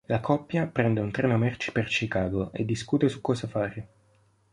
La coppia prende un treno-merci per Chicago e discute su cosa fare.